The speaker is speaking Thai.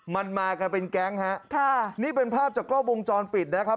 มันมากันเป็นแก๊งฮะค่ะนี่เป็นภาพจากกล้องวงจรปิดนะครับ